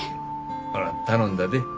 ほな頼んだで。